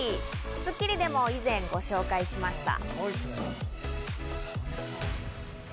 『スッキリ』でも以前、ご紹介しました。